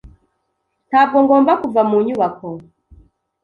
Ntabwo ngomba kuva mu nyubako.